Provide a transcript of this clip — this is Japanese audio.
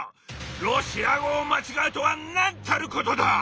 ロシア語を間違うとはなんたることだ！